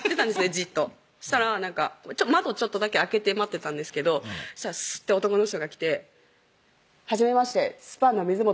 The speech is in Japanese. じっとそしたら窓ちょっとだけ開けて待ってたんですけどすって男の人が来て「はじめましてｓｐａｎ！の水本です」